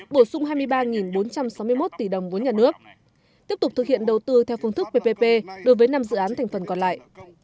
bổ sung hai mươi ba bốn trăm sáu mươi một tỷ đồng vốn nhà nước tiếp tục thực hiện đầu tư theo phương thức ppp đối với năm dự án thành phần còn lại